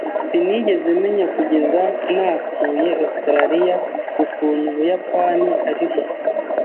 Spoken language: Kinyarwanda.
Sinigeze menya kugeza nasuye Ositaraliya ukuntu Ubuyapani ari buto.